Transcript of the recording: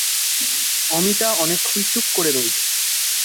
অমিতা অনেকক্ষণ চুপ করে রইল।